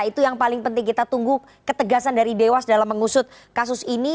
itu yang paling penting kita tunggu ketegasan dari dewas dalam mengusut kasus ini